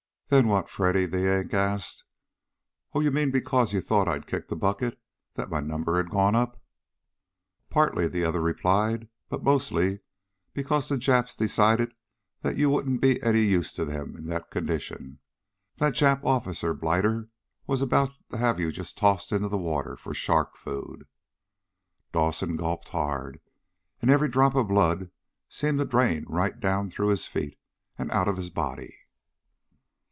"Then what, Freddy?" the Yank asked. "Oh! You mean because you thought I'd kicked the bucket? That my number had gone up?" "Partly," the other replied. "But mostly because the Japs decided that you wouldn't be of any use to them in that condition. That Jap officer blighter was about to have you just tossed into the water for shark food." Dawson gulped hard, and every drop of blood seemed to drain right down through his feet, and on out of his body.